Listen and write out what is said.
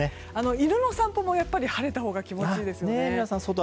犬の散歩も晴れたほうが気持ちいいですものね。